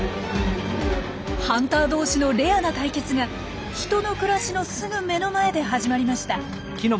ハンター同士のレアな対決が人の暮らしのすぐ目の前で始まりました。